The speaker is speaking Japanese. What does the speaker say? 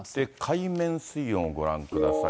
海面水温ご覧ください。